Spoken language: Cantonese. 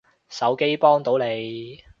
手機幫到你